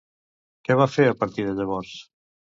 Què va fer a partir de llavors?